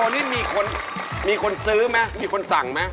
ในนี้๑๒กิโลนี่มีคนซื้อไหมมีคนสั่งไหม